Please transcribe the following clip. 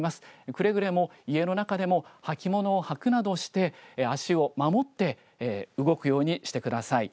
くれぐれも家の中でも履物を履くなどして足を守って動くようにしてください。